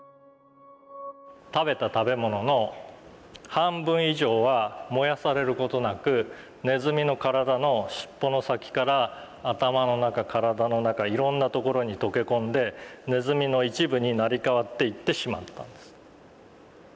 食べた食べものの半分以上は燃やされる事なくねずみの体の尻尾の先から頭の中体の中いろんな所に溶け込んでねずみの一部になり代わっていってしまったんです。